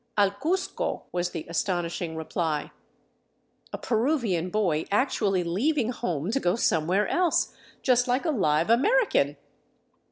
" Al Cuzco," was the astonishing reply. A Peruvian boy actually leaving home to go somewhere else, just like a live American